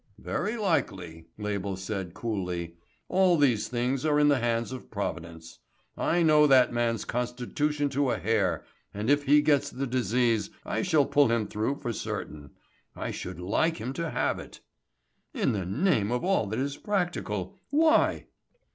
"Very likely," Label said coolly. "All these things are in the hands of Providence. I know that man's constitution to a hair, and if he gets the disease I shall pull him through for certain. I should like him to have it." "In the name of all that is practical, why?"